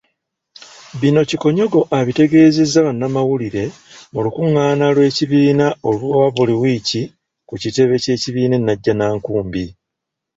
Bino Kikonyogo abitegeezezza bannamawulire mu lukung'ana lw'ekibiina olwabuli wiiki ku kitebe ky'ekibiina e Najjanankumbi.